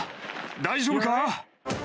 大丈夫か？